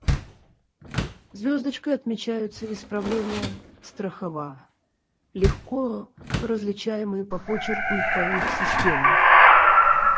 Звездочкой отмечаются исправления Страхова, легко различаемые по почерку и по их системе.